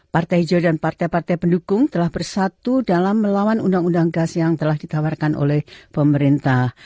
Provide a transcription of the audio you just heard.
partai hijau dan partai partai pendukung telah bersatu dalam melawan undang undang gas yang telah ditawarkan oleh pemerintah